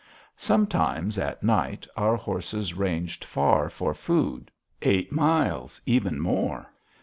Sometimes, at night, our horses ranged far for food, eight miles, even more.